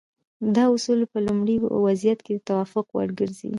دا اصول په لومړني وضعیت کې د توافق وړ ګرځي.